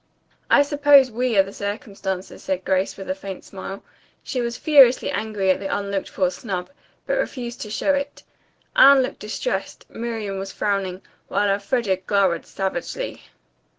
"I suppose we are the circumstances," said Grace, with a faint smile. She was furiously angry at the unlooked for snub, but refused to show it. Anne looked distressed, Miriam was frowning, while Elfreda glowered savagely.